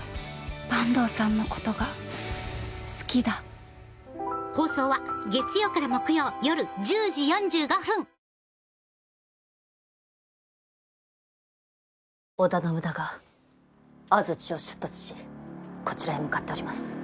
坂東さんのことが好きだ織田信長安土を出立しこちらへ向かっております。